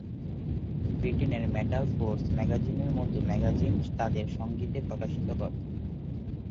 ব্রিটেনের Metal Force ম্যাগাজিনের মতো ম্যাগাজিন তাদের সংগীতের প্রশংসা করে।